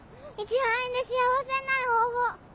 １万円で幸せになる方法。